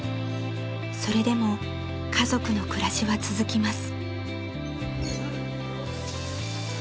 ［それでも家族の暮らしは続きます］